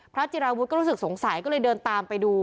จิราวุฒิก็รู้สึกสงสัยก็เลยเดินตามไปดู